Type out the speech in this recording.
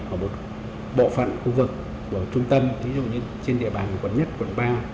ở một bộ phận khu vực của trung tâm ví dụ như trên địa bàn quận một quận ba